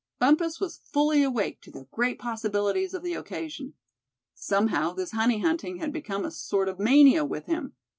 Bumpus was fully awake to the great possibilities of the occasion. Somehow this honey hunting had become a sort of mania with him.